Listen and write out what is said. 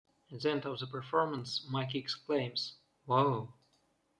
At the end of the performance Micky exclaims, Whoa!